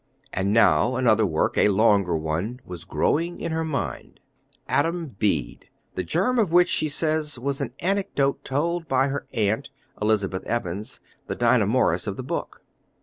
And now another work, a longer one, was growing in her mind, Adam Bede, the germ of which, she says, was an anecdote told her by her aunt, Elizabeth Evans, the Dinah Morris of the book.